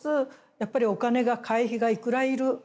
やっぱりお金が会費がいくら要る。